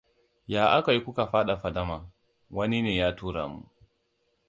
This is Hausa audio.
Ya aka yi kuka fada fadama? Wani ne ya tura mu.